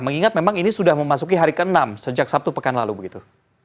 mengingat memang ini sudah memasuki hari ke enam sejak sabtu pekan lalu begitu